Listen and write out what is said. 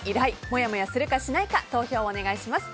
もやもやするか、しないか投票をお願いします。